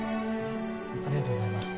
ありがとうございます。